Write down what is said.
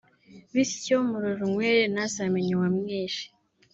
bityo Murorunkwere ntazamenye uwamwishe